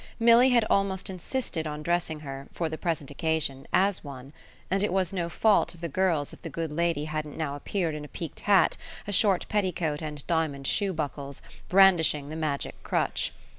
Milly had almost insisted on dressing her, for the present occasion, as one; and it was no fault of the girl's if the good lady hadn't now appeared in a peaked hat, a short petticoat and diamond shoe buckles, brandishing the magic crutch.